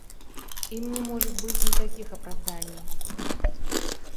Им не может быть никаких оправданий.